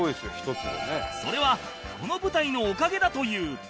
それはこの舞台のおかげだという